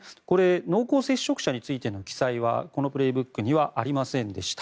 濃厚接触者についての記載はこの「プレーブック」にはありませんでした。